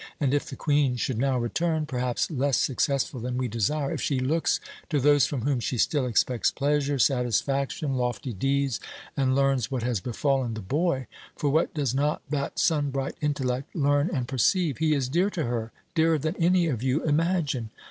And if the Queen should now return perhaps less successful than we desire if she looks to those from whom she still expects pleasure, satisfaction, lofty deeds, and learns what has befallen the boy for what does not that sun bright intellect learn and perceive? He is dear to her, dearer than any of you imagine.